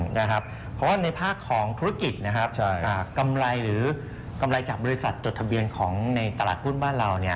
เพราะว่าในภาคของธุรกิจกำไรหรือกำไรจากบริษัทจดทะเบียนของในตลาดหุ้นบ้านเรา